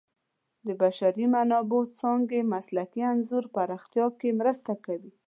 د بشري منابعو څانګې مسلکي انځور پراختیا کې مرسته کوي.